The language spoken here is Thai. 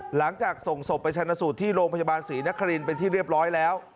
หลังจากส่งศพไปชนะสูตรที่โรงพยาบาลศรีนครินเป็นที่เรียบร้อยแล้ว